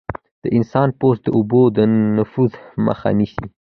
د انسان پوست د اوبو د نفوذ مخه نیسي.